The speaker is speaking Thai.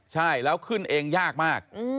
ใช่แล้วขึ้นเองยากมาก